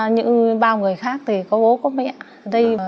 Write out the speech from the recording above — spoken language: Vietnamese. như bao người khác thì có bố có mình